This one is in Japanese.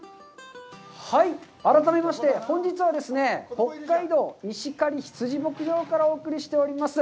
はい、改めまして、本日はですね、北海道石狩ひつじ牧場からお送りしております。